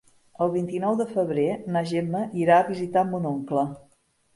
El vint-i-nou de febrer na Gemma irà a visitar mon oncle.